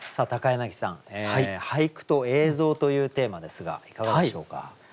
柳さん「俳句と映像」というテーマですがいかがでしょうか？